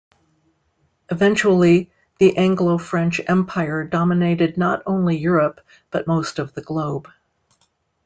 Eventually, the Anglo-French Empire dominated not only Europe but most of the globe.